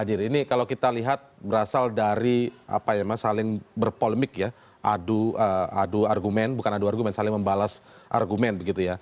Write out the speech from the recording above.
pak jir ini kalau kita lihat berasal dari saling berpolemik ya adu argumen bukan adu argumen saling membalas argumen